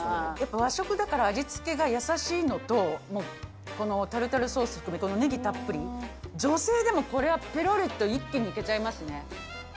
やっぱ和食だから味付けが優しいのと、もうこのタルタルソース含めねぎたっぷり、女性でもこれはぺろりと一気にいけちゃいますね。